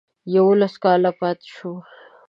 یوولس کاله پاته شو.